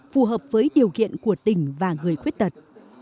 phù hợp với điều kiện của tỉnh và người khuyết tật